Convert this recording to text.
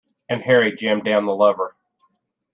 And Harry jammed down the lever.